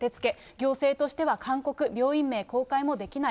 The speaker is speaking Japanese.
行政としては勧告、病院名公開もできない。